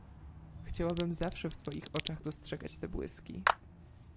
"Chciałabym zawsze w twoich oczach dostrzegać te błyski!"